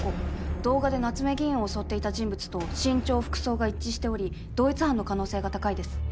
動画で夏目議員を襲っていた人物と身長服装が一致しており同一犯の可能性が高いです。